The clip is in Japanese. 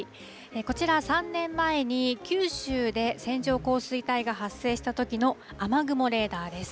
こちら、３年前に九州で線状降水帯が発生したときの雨雲レーダーです。